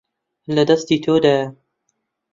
لە دەستی تۆدایە.